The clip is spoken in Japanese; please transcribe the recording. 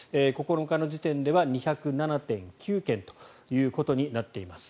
９日の時点では２０７．９件となっています。